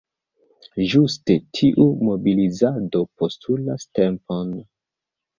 Ĝuste tiu mobilizado postulas tempon.